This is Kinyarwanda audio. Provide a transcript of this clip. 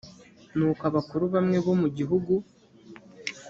nuko abakuru bamwe bo mu gihugu